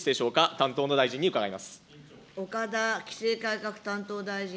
担当の大臣に伺います。